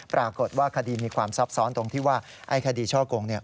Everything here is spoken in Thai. ปรากฏว่าคดีมีความซับซ้อนตรงที่ว่าไอ้คดีช่อกงเนี่ย